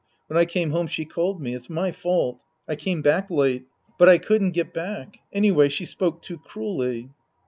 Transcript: When I came home she called me. It's my fault. I came back late. But I couldn't get back. Anyway she spoke too cruelly.